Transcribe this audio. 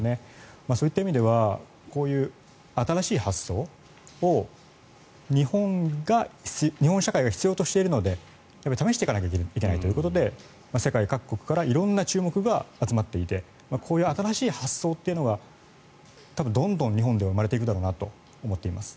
そういった意味ではこういう新しい発想を日本社会が必要としているので試していかなきゃいけないということで世界各国から色んな注目が集まっていてこういう新しい発想が多分、どんどん日本では生まれていくだろうなと思っています。